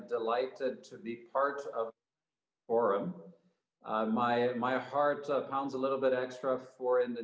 dan ada alasan untuk menjadi lebih bersemangat